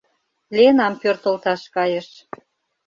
Ленам пӧртылташ кайыш.